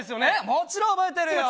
もちろん覚えてるぞ！